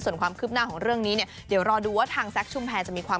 เดี๋ยวรอดูว่าทางแซกชุมแพทย์